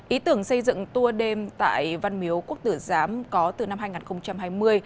ý tưởng xây dựng tour đêm tại văn miếu quốc tử giám có từ năm hai nghìn hai mươi